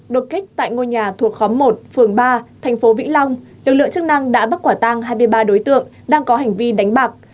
đột kích tại ngôi nhà thuộc khóm một phường ba thành phố vĩnh long lực lượng chức năng đã bắt quả tang hai mươi ba đối tượng đang có hành vi đánh bạc